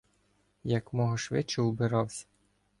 Якмога швидче убиравсь.